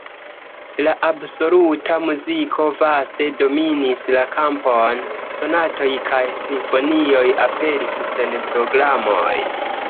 La absoluta muziko vaste dominis la kampon, sonatoj kaj simfonioj aperis sen programoj.